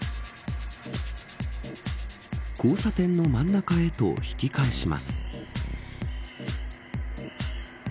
交差点の真ん中へと引き返します。